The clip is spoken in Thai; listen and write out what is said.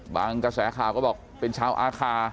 กระแสข่าวก็บอกเป็นชาวอาคา